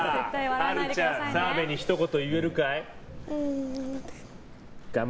遥琉ちゃん澤部にひと言、言えるかい？